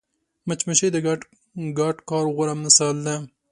مچمچۍ د ګډ کار غوره مثال ده